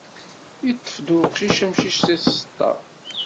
Yeṭṭef-d uqcic amcic seg tseṭṭa.